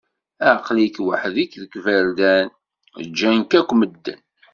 Aql-ik weḥd-k deg iberdan, ǧǧan-k akk medden.